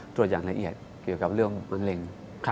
ตรวจอย่างละเอียดเกี่ยวกับเรื่องมะเร็ง